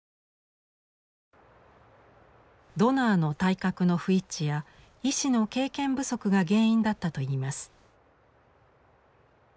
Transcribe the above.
ドナーの体格の不一致や医師の経験不足が原因だったといいます。